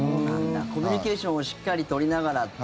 コミュニケーションをしっかり取りながらって。